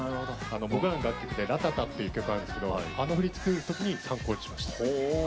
僕らの楽曲で「Ｒａ−ｔａ−ｔａ」ってあるんですけどあの振り付けのときに参考にしました。